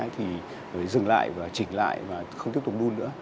thì phải dừng lại và chỉnh lại và không tiếp tục đun nữa